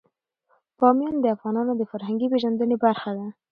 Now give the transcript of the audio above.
بامیان د افغانانو د فرهنګي پیژندنې برخه ده.